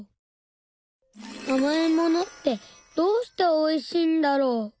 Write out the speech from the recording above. あまいものってどうしておいしいんだろう。